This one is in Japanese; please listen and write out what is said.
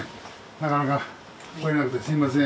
なかなか来れなくてすいません。